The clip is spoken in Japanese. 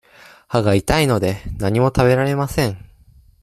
歯が痛いので、何も食べられません。